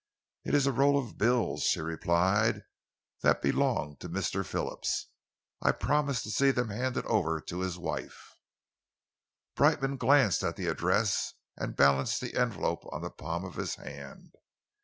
"It is a roll of bills," she replied, "that belonged to Mr. Phillips. I promised to see them handed over to his wife." Brightman glanced at the address and balanced the envelope on the palm of his hand.